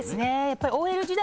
ＯＬ時代